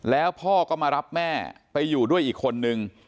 แล้วพ่อก็มารับแม่ไปอยู่ด้วยอีกคนนึง